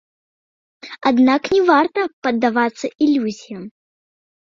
Аднак не варта паддавацца ілюзіям.